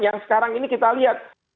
yang sekarang ini kita lihat